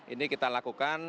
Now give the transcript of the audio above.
ini kita lakukan